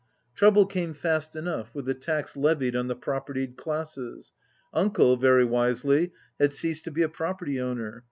Trouble came fast enough, with the tax levied on the propertied classes. "Uncle," very wisely, had ceased to be a property owner.